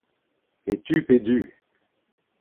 e tu pe du